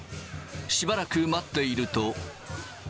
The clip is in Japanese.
しばらく待っていると。